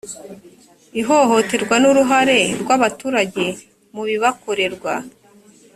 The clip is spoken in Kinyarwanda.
ihohoterwa n uruhare rw abaturage mu bibakorerwa